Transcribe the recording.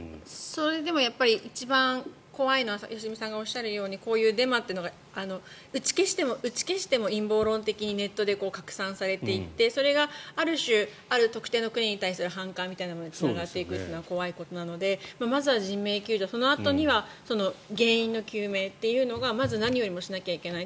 それでも、一番怖いのは良純さんがおっしゃるようにこういうデマが打ち消しても打ち消しても陰謀論的にネットで拡散されていってそれが、ある種ある特定の国に対する反感みたいなものにつながっていくというのは怖いことなのでまずは人命救助、そのあとには原因の究明というのがまず何よりもしなければいけない。